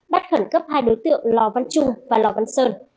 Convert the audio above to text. bắt khẩn cấp hai đối tượng lò văn trung và lò văn sơn